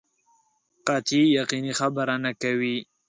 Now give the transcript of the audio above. قطعي یقیني خبره نه کوي.